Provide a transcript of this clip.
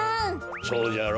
そうじゃろ？